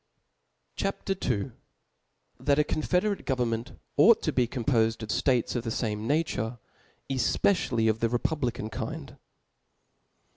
C H A P. II. That a confederate Government ought to hecomr pofed of States of the fame Nature, ej^ecialfy of the republican Kind.